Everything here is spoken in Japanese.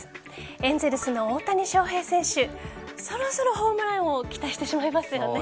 エンゼルスの大谷翔平選手そろそろホームランを期待してしまいますよね。